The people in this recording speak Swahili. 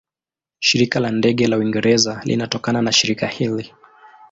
Shirika la Ndege la Uingereza linatokana na shirika hili.